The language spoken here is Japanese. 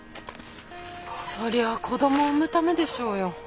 そりゃあ子供産むためでしょうよ。